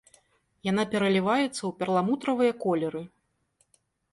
Яна пераліваецца ў перламутравыя колеры.